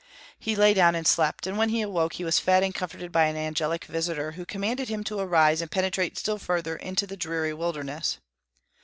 He lay down and slept, and when he awoke he was fed and comforted by an angelic visitor, who commanded him to arise and penetrate still farther into the dreary wilderness.